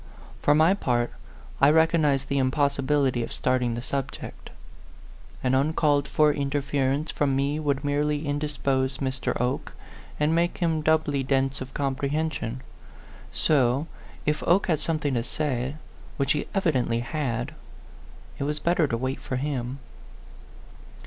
For my part, I recognized the impossibility of starting the subject: an uncalled for interference from me would merely indispose Mr. Oke, and make him A PHANTOM LOVER. 119 doubly dense of comprehension. So, if Oke had something to say, which he evidently had, it was better to wait for him.